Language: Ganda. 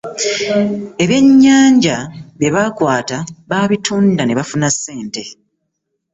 Ebyennyanja bye bakwata babitunda ne bafuna ssente.